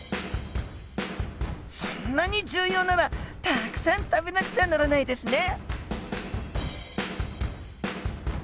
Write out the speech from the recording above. そんなに重要ならたくさん食べなくちゃならないですね！